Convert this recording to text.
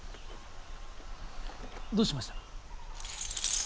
どうしました？